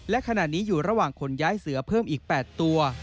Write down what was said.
และขณะนี้อยู่ระหว่างขนย้ายเสือเพิ่มอีก๘ตัว